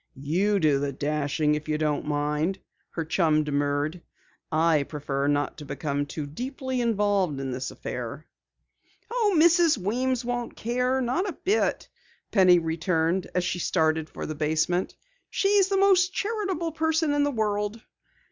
"You do the dashing, if you don't mind," her chum demurred. "I prefer not to become too deeply involved in this affair." "Oh, Mrs. Weems won't care not a bit," Penny returned as she started for the basement. "She's the most charitable person in the world."